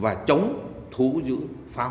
và chúng ta cũng thấy rằng con người tài nụ